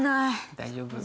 大丈夫？